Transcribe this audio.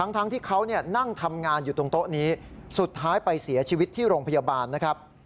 ทั้งที่เขานั่งทำงานอยู่ตรงโต๊ะนี้สุดท้ายไปเสียชีวิตที่โรงพยาบาลนะครับ